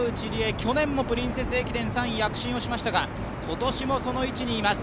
去年も「プリンセス駅伝」３位と躍進をしましたが、今年もその位置にいます。